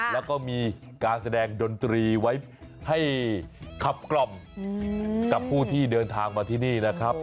แล้วก็มีการแสดงดนตรีไว้ให้ขับกล่อมกับผู้ที่เดินทางมาที่นี่นะครับ